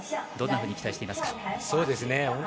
どんなふうに期待していますか？